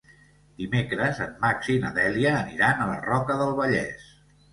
Dimecres en Max i na Dèlia aniran a la Roca del Vallès.